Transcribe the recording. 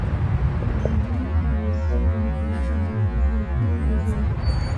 د ابراهیم رئیسي د حکومت امنیتي ځواکونو د زور